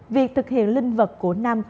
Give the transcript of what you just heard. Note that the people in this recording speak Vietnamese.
việc thực hiện linh vật của năm